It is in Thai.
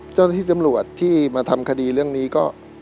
เจ้าหน้าที่ตำรวจที่มาทำคดีเรื่องนี้ก็